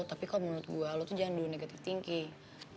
tapi kalo menurut gua lu tuh jangan dulu negative thinking